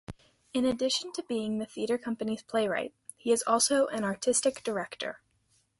In addition to being the theatre company's playwright, he is also an artistic director.